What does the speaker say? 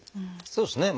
そうですね。